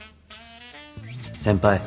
先輩。